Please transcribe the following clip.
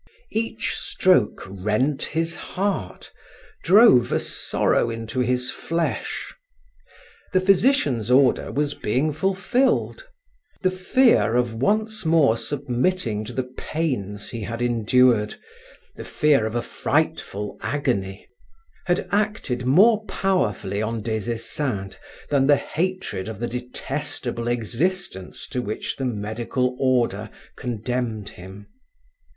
Each stroke rent his heart, drove a sorrow into his flesh. The physician's order was being fulfilled; the fear of once more submitting to the pains he had endured, the fear of a frightful agony had acted more powerfully on Des Esseintes than the hatred of the detestable existence to which the medical order condemned him.